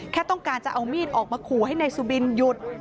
แค่ต้องการจะเอามีดออกมาขู่ให้นายสุบินหยุด